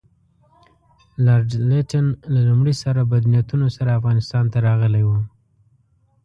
لارډ لیټن له لومړي سره بد نیتونو سره افغانستان ته راغلی وو.